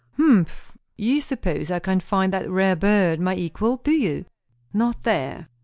"Humph! You suppose I can find that rare bird, my equal, do you?" "Not there."